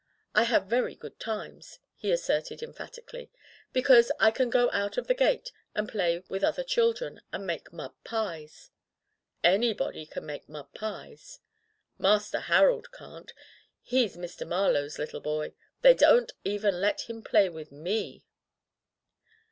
I have very good times," he asserted emphatically, "be cause I can go out of the gate and play with other children and make mud pies.'* "Anybody can make mud pies.'* "Master Harold can't. He's Mr. Mar lowe's little boy. They don't even let him play with m^."